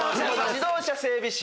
自動車整備士。